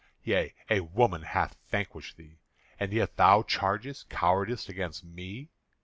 Yea, a woman hath vanquished thee, and yet thou chargest cowardice against me.